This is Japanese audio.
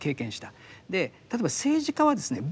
例えば政治家はですね